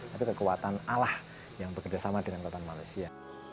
tapi kekuatan allah yang bekerjasama dengan kekuatan manusia